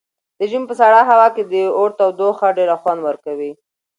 د ژمي په سړه هوا کې د اور تودوخه ډېره خوند ورکوي.